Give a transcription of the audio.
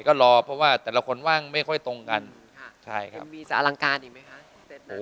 ก็รอเพราะว่าแต่ละคนว่างไม่ค่อยตรงกันมีจะอลังการอีกไหมคะ